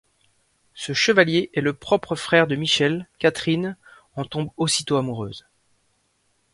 Ce chevalier est le propre frère de Michel, Catherine en tombe aussitôt amoureuse.